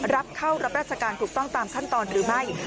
รับเข้ารับราชการถูกต้องตามขั้นตอนหรือไม่